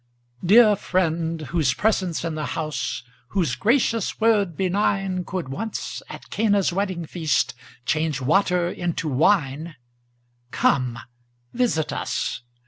Dear Friend! whose presence in the house, Whose gracious word benign, Could once, at Cana's wedding feast, Change water into wine; Come, visit us!